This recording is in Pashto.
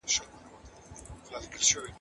د مصنوعي کلمې مانا ډېره مبهمه ده.